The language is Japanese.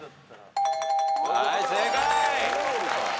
はい正解。